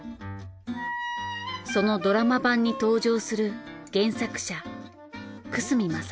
そのドラマ版に登場する原作者久住昌之さん。